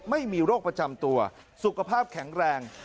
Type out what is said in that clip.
ไม่มีโรคประจำตัวสุขภาพแข็งแรง